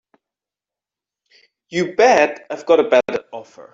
You bet I've got a better offer.